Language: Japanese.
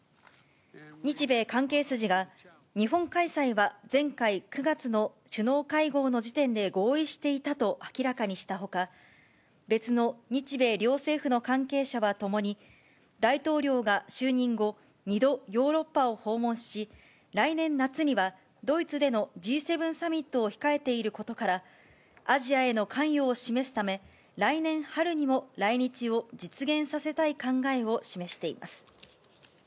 日米関係筋が、日本開催は前回・９月の首脳会合の時点で合意していたと明らかにしたほか、別の日米両政府の関係者はともに、大統領が就任後２度ヨーロッパを訪問し、来年夏にはドイツでのＧ７サミットを控えていることから、アジアへの関与を示すため、来年春にも来日を実現させたい考えを示しています。